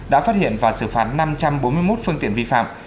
đã phát hiện và xử phạt năm trăm bốn mươi một phương tiện vi phạm